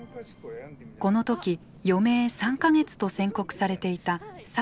この時余命３か月と宣告されていた佐藤信男さん。